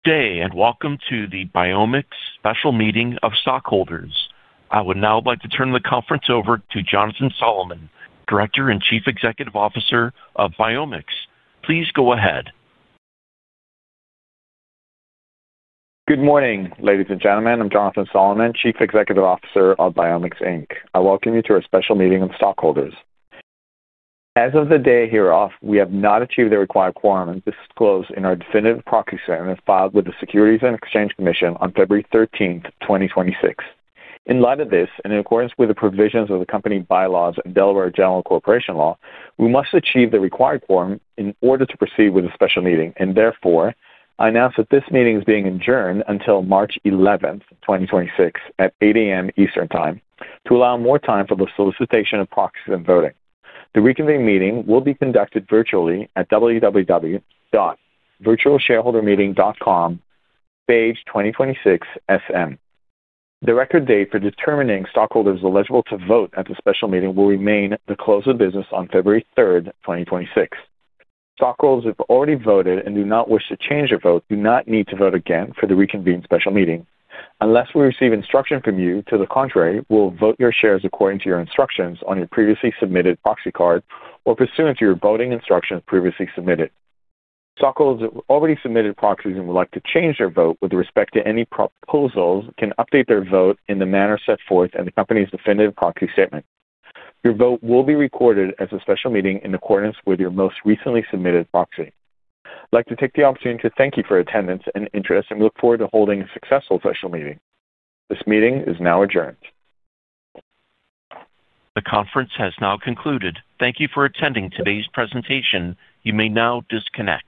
Good day, welcome to the BiomX special meeting of stockholders. I would now like to turn the conference over to Jonathan Solomon, Director and Chief Executive Officer of BiomX. Please go ahead. Good morning, ladies and gentlemen. I'm Jonathan Solomon, Chief Executive Officer of BiomX Inc. I welcome you to our special meeting of stockholders. As of the date here of, we have not achieved the required quorum and disclosed in our definitive proxy statement filed with the Securities and Exchange Commission on February 13th, 2026. In light of this, in accordance with the provisions of the company's bylaws and Delaware General Corporation Law, we must achieve the required quorum in order to proceed with a special meeting. Therefore, I announce that this meeting is being adjourned until March 11th, 2026, at 8:00 A.M. Eastern Time, to allow more time for the solicitation of proxies and voting. The reconvened meeting will be conducted virtually at www.virtualshareholdermeeting.com, page 2026SM. The record date for determining stockholders eligible to vote at the special meeting will remain the close of business on February 3, 2026. Stockholders who have already voted and do not wish to change their vote do not need to vote again for the reconvened special meeting. Unless we receive instruction from you to the contrary, we'll vote your shares according to your instructions on your previously submitted proxy card or pursuant to your voting instructions previously submitted. Stockholders that already submitted proxies and would like to change their vote with respect to any proposals can update their vote in the manner set forth in the company's definitive proxy statement. Your vote will be recorded as a special meeting in accordance with your most recently submitted proxy. I'd like to take the opportunity to thank you for your attendance and interest and look forward to holding a successful special meeting. This meeting is now adjourned. The conference has now concluded. Thank you for attending today's presentation. You may now disconnect.